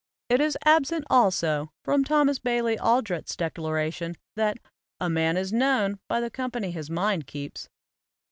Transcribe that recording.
It is absent also from Thomas Bailey Aldrich's declaration that "a man is known by the company his mind "3 AMERICAN APHORISMS keeps."